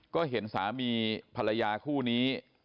ก็เห็นสามีภรรยาคู่นี้